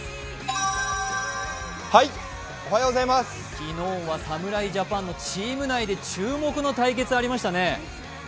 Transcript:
昨日は侍ジャパンのチーム内で注目の対決がありましたね。